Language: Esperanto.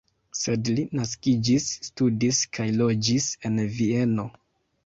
Sed li naskiĝis, studis kaj loĝis en Vieno.